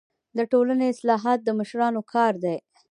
د ټولني اصلاحات د مشرانو کار دی.